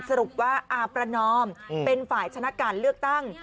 สรุปว่าอาประนอมเป็นฝ่ายชนะการเลือกตั้ง